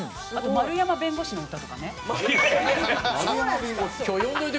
丸山弁護士の曲とか。